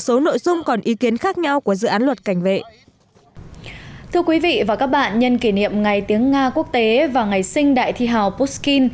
xin chào quý vị và các bạn nhân kỷ niệm ngày tiếng nga quốc tế và ngày sinh đại thi hào pushkin